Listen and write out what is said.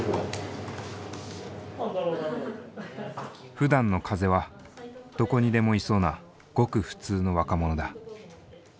ふだんの風はどこにでもいそうなごく普通の若者だ。